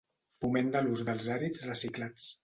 Foment de l'ús dels àrids reciclats.